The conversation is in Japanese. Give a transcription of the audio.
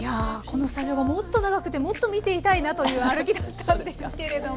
このスタジオがもっと長くてもっと見ていたいなという歩きだったんですけれども。